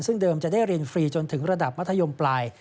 ซึ่งเดิมจะได้เรียนฟรีจนถึงระดับมัธยมปลาย